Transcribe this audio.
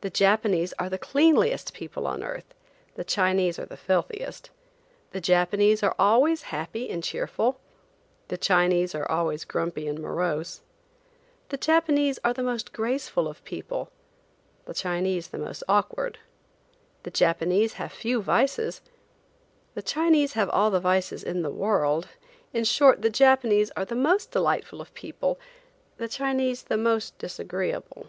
The Japanese are the cleanliest people on earth, the Chinese are the filthiest; the Japanese are always happy and cheerful, the Chinese are always grumpy and morose; the Japanese are the most graceful of people, the Chinese the most awkward; the Japanese have few vices, the Chinese have all the vices in the world; in short, the Japanese are the most delightful of people, the Chinese the most disagreeable.